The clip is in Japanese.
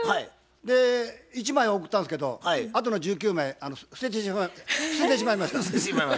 で１枚を送ったんですけどあとの１９枚捨ててしまいました。